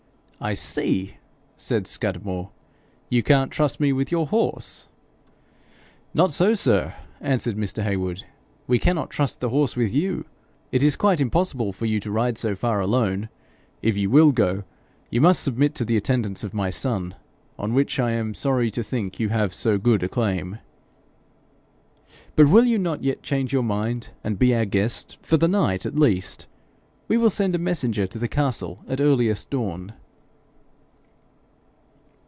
'I see!' said Scudamore; 'you can't trust me with your horse!' 'Not so, sir,' answered Mr. Heywood. 'We cannot trust the horse with you. It is quite impossible for you to ride so far alone. If you will go, you must submit to the attendance of my son, on which I am sorry to think you have so good a claim. But will you not yet change your mind and be our guest for the night at least? We will send a messenger to the castle at earliest dawn.'